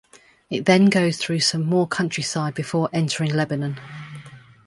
It then goes through some more countryside before entering Lebanon.